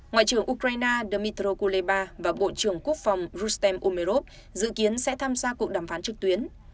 ngoại trưởng ukraine dmitr kuleba và bộ trưởng quốc phòng rutem umerov dự kiến sẽ tham gia cuộc đàm phán trực tuyến